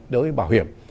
đối với bảo hiểm